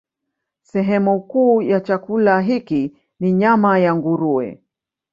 Sehemu kuu ya chakula hiki ni nyama ya nguruwe.